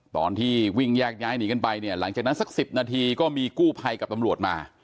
ตอนที่วิ่งแยกย้ายหนีกันไปเนี่ยหลังจากนั้นสัก๑๐นาทีก็มีกู้ภัยกับตำรวจมา